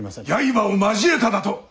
刃を交えただと！？